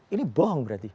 ini bohong berarti